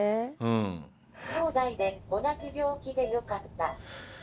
「兄弟で同じ病気でよかった」。